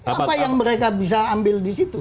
apa yang mereka bisa ambil di situ